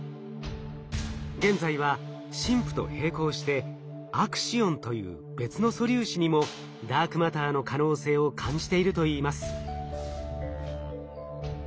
現在はＳＩＭＰと並行して「アクシオン」という別の素粒子にもダークマターの可能性を感じているといいます。